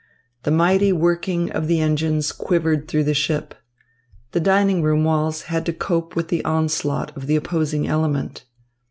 The mighty working of the engines quivered through the ship. The dining room walls had to cope with the onslaught of the opposing element.